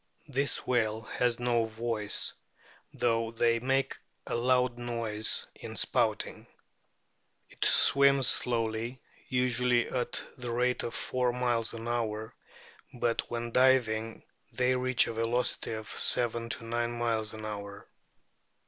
This whale has no voice, though they make a loud noise in spouting. It swims slowly, usually at the rate of four miles an hour ; but when diving I2 g A BOOK OF WHALES they reach a velocity of seven to nine miles an hour.